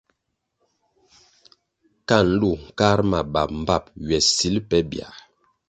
Ka nlu nkar ma bap mbpap ywe sil pe biãh.